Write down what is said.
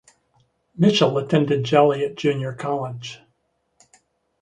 Mitchell attended Joliet Junior College.